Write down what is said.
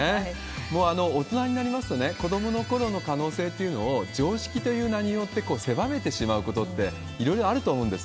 もう大人になりますとね、子どものころの可能性というのを、常識という名によって狭めてしまうことって、いろいろあると思うんです。